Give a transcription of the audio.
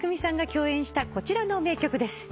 共演したこちらの名曲です。